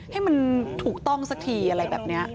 ให้มันถูกต้องสักทีอะไรแบบนี้